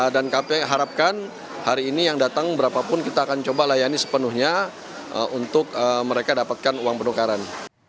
dan kami harapkan hari ini yang datang berapapun kita akan coba layani sepenuhnya untuk mereka dapatkan uang penukaran